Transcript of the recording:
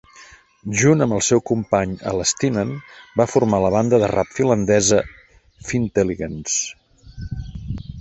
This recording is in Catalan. Junt amb el seu company Elastinen, va formar la banda de rap finlandesa Fintelligens.